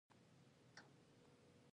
دوه کنجرې خانې هم وې.